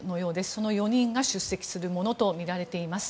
その４人が出席するものとみられています。